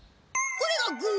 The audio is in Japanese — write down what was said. これがグー。